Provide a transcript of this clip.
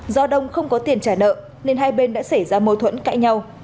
do đông không có tiền trả nợ nên hai bên đã xảy ra mâu thuẫn cãi nhau